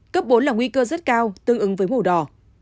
cấp bốn là nguy cơ rất cao tương ứng với màu đỏ